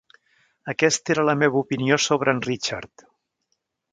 Aquesta era la meva opinió sobre en Richard.